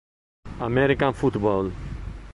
American Football